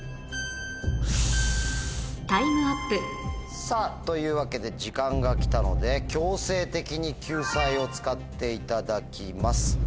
タイムアップさぁというわけで時間がきたので強制的に救済を使っていただきます。